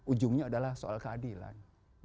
ujungnya adalah soal keadilan